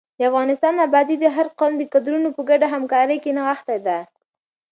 د افغانستان ابادي د هر قوم د کدرونو په ګډه همکارۍ کې نغښتې ده.